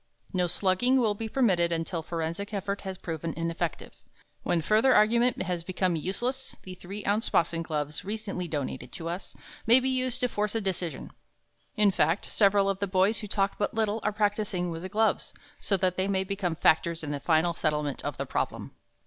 No slugging will be permitted until forensic effort has proven ineffective. When further argument has become useless, the three ounce boxing gloves, recently donated to us, may be used to force a decision. In fact, several of the boys who talk but little, are practising with the gloves, so that they may become factors in the final settlement of the problem.